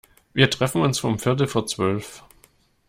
Wir treffen uns um viertel vor zwölf.